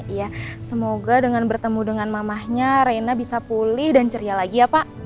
iya semoga dengan bertemu dengan mamahnya reina bisa pulih dan ceria lagi ya pak